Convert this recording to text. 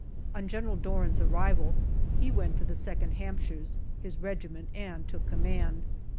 On General Doran 's arrival he went to the 2nd Hampshires, his regiment, and took command.